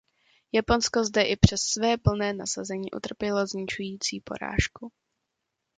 Japonsko zde i přes své plné nasazení utrpělo zničující porážku.